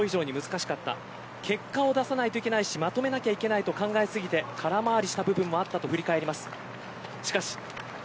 キャプテンは予想以上に難しかった結果を出さないといけないしまとめないといけないと考えすぎて空回りした部分もあったと振り返ります。